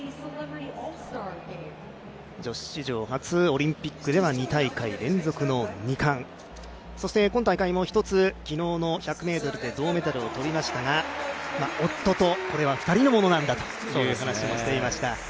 女子史上初オリンピックでは２大会連続の２冠、そして今大会も昨日の１００ｍで銅メダルを取りましたが夫と２人のものなんだという話をしていました。